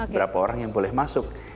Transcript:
berapa orang yang boleh masuk